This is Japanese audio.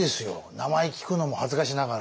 名前聞くのも恥ずかしながら。